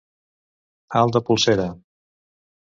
Alt de polsera.